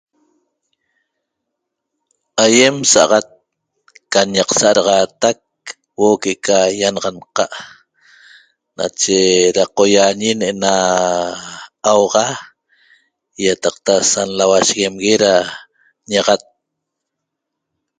Aýem sa'axat can ñaq sa'adaxaatac huo'o que'eca ýanaxanqa' nache da qoýaañi ne'ena auxa ýataqta sa nlauasheguemegue da ñaxat